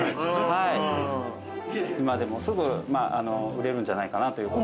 今でもすぐ売れるんじゃないかなということで。